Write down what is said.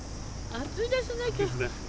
暑いですね。